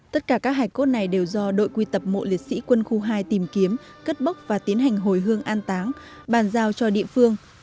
tất cả các hải cốt này đều do đội quy tập mộ liệt sĩ quân khu hai tìm kiếm cất bốc và tiến hành hồi hương an táng bàn giao cho địa phương